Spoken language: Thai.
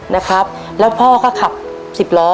นะครับแล้วพ่อก็ขับสิบล้อ